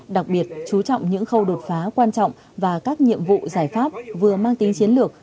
đặc biệt chú trọng những khâu đột phá quan trọng và các nhiệm vụ giải pháp vừa mang tính chiến lược